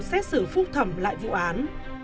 xét xử phúc thẩm lại vụ án